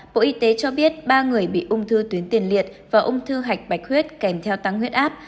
bộ y tế cho biết ba người bị ung thư tuyến tiền liệt và ung thư hạch bạch huyết kèm theo tăng huyết áp